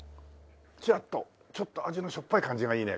チラッとちょっと味のしょっぱい感じがいいね。